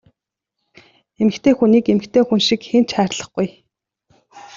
Эмэгтэй хүнийг эмэгтэй хүн шиг хэн ч хайрлахгүй!